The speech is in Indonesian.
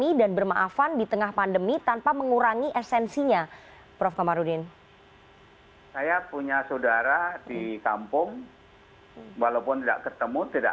yang paling bertanggung jawab menjaga